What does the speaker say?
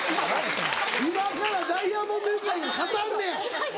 今からダイアモンドユカイが語んねん。